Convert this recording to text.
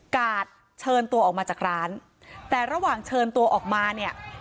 กาดเชิญตัวออกมาจากร้านแต่ระหว่างเชิญตัวออกมาเนี่ย